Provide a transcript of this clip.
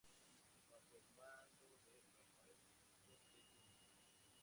Bajo el mando de Rafael Puente Jr.